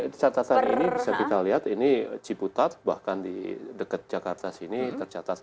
kalau catatan ini bisa kita lihat ini ciputat bahkan di dekat jakarta sini tercatat tiga puluh sembilan enam